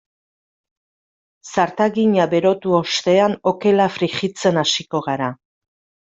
Zartagina berotu ostean okela frijitzen hasiko gara.